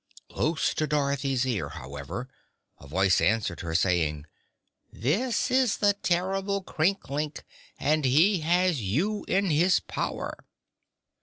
Close to Dorothy's ear, however, a voice answered her, saying: "This is the terrible Crinklink, and he has you in his power."